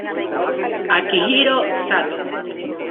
Akihiro Sato